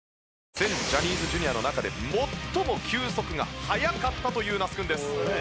全ジャニーズＪｒ．の中で最も球速が速かったという那須くんです。